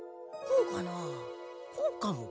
こうかも。